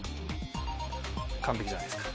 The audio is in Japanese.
完璧じゃないですか。